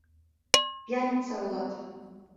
Пьяница улат!